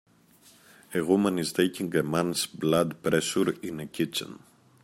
A woman is taking a man 's blood pressure in a kitchen.